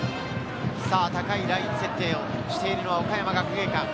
高いライン設定をしているのは岡山学芸館。